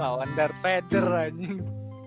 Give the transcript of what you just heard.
lawan dar teder anjing